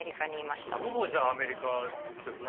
ほぼじゃあアメリカですよね。